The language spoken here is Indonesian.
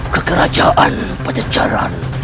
ke kerajaan pencejaran